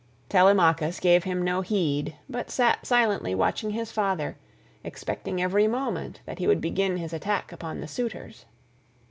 Telemachus gave him no heed, but sat silently watching his father, expecting every moment that he would begin his attack upon the suitors.